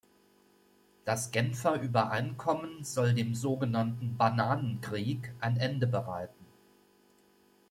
Das Genfer Übereinkommen soll dem sogenannten "Bananen Krieg" ein Ende bereiten.